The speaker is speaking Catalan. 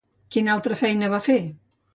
Quina altra feina va fer?